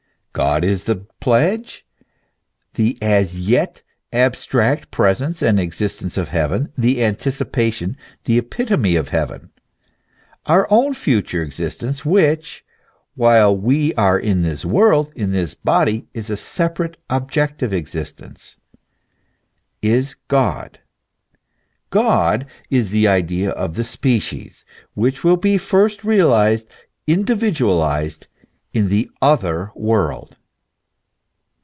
God is the pledge, the as yet abstract presence and existence of heaven ; the anti cipation, the epitome of heaven. Our own future existence, which, while we are in this world, in this body, is a separate, objective existence, is God: God is the idea of the species, which will be first realized, individualized in the other world.